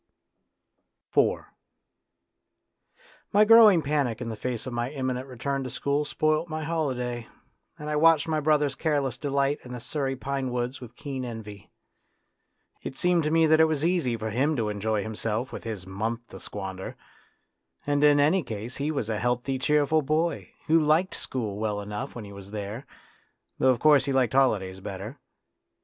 IV My growing panic in the face of my im minent return to school spoilt my holiday, and I watched my brother's careless delight in the Surrey pine woods with keen envy. It seemed to me that it was easy for him to enjoy himself with his month to squander ; 42 A DRAMA OF YOUTH and in any case he was a healthy, cheerful boy who liked school well enough when he was there, though of course he liked holidays better.